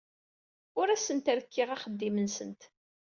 Ur asent-rekkiɣ axeddim-nsent.